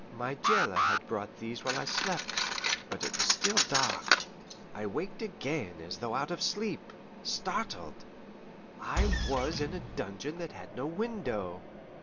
My jailer had brought these while I slept. But it was still dark. I waked again as though out of sleep, startled: I was in a dungeon that had no window!